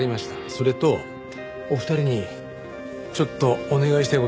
それとお二人にちょっとお願いしたい事があるんです。